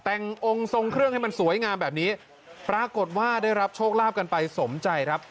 แต่งองค์ทรงเครื่องให้มันสวยงามแบบนี้ปรากฏว่าได้รับโชคลาภกันไปสมใจครับ